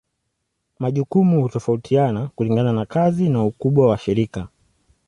Majukumu hutofautiana kulingana na kazi na ukubwa wa shirika.